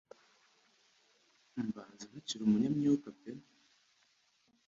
mbanza ntakiri umunya myuka pe